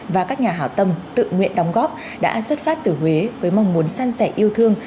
và các nhà hảo tâm tự nguyện đóng góp đã xuất phát từ huế với mong muốn san sẻ yêu thương